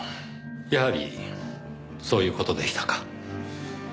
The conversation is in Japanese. やはりそういう事でしたか。